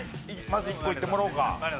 まず１個いってもらおうか。